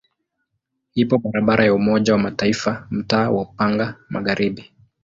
Ipo barabara ya Umoja wa Mataifa mtaa wa Upanga Magharibi.